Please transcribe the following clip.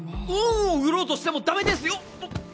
お恩を売ろうとしても駄目ですよおっ！